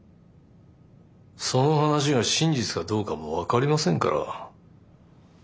その話が真実かどうかも分かりませんから。